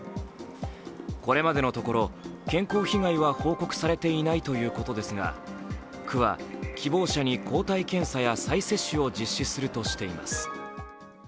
これまでのところ、健康被害は報告されていないということですが、区は希望者に抗体検査や再接種を実施するとしています。